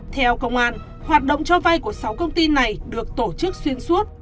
theo công an hoạt động cho vay của sáu công ty này được tổ chức xuyên suốt